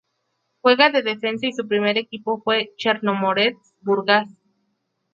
Juega de Defensa y su primer equipo fue Chernomorets Burgas.